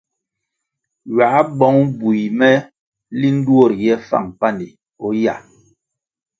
Ywā bong bui me linʼ duo riye fáng pani o yah.